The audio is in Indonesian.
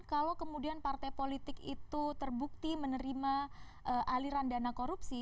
kalau kemudian partai politik itu terbukti menerima aliran dana korupsi